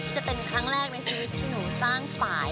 จะเป็นครั้งแรกในชีวิตที่หนูสร้างฝ่าย